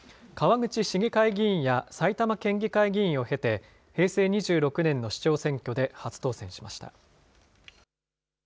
川口市議会議員や埼玉県議会議員を経て、平成２６年の市長選挙で初当選しました。